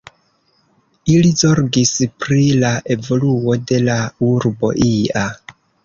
Ili zorgis pri la evoluo de la urbo ia.